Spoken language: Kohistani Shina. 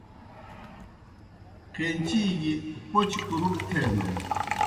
قینچی گیْ پوْچہ کُرُپ تھینَن۔